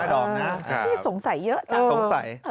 พี่สงสัยเยอะจัง